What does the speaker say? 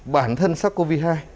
bản thân sắc covid hai